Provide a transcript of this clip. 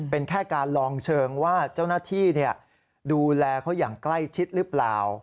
เป็นแค่การลองเชิงว่าเจ้าหน้าที่ดูแลเขาอย่างใกล้ชิดหรือเปล่า